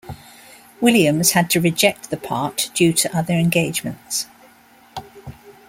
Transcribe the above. Williams had to reject the part due to other engagements.